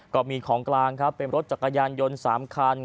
ก็มีของกลางครับเป็นรถจักรยานยนต์๓คัน